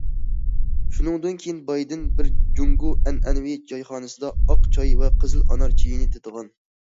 شۇنىڭدىن كېيىن بايدىن بىر جۇڭگو ئەنئەنىۋى چايخانىسىدا ئاق چاي ۋە قىزىل ئانار چېيىنى تېتىغان.